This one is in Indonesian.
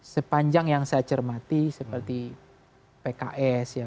sepanjang yang saya cermati seperti pks ya kamu tahu